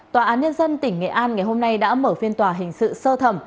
tòa án nhân dân tỉnh nghệ an ngày hôm nay đã mở phiên tòa hình sự sơ thẩm